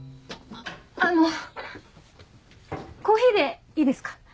あのコーヒーでいいですか？